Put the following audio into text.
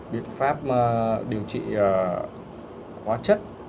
biện pháp điều trị hóa chất